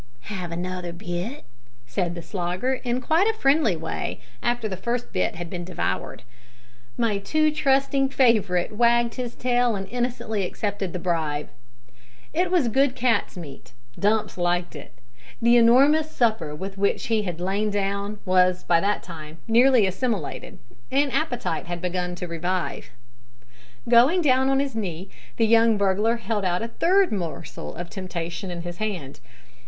"Have another bit?" said the Slogger in quite a friendly way, after the first bit had been devoured. My too trusting favourite wagged his tail and innocently accepted the bribe. It was good cat's meat. Dumps liked it. The enormous supper with which he had lain down was by that time nearly assimilated, and appetite had begun to revive. Going down on his knee the young burglar held out a third morsel of temptation in his hand.